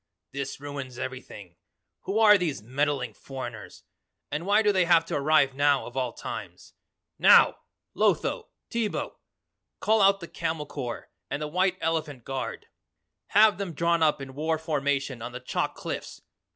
"This ruins everything. Who are these meddling foreigners? And why do they have to arrive now of all times? NOW! Lotho! Teebo! Call out the camel corps and the white elephant guard. Have them drawn up in war formation on the chalk cliffs.